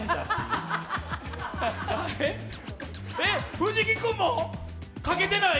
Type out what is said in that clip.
藤木君もかけてない？